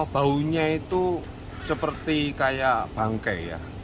baunya itu seperti kayak bangke ya